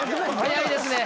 早いですね。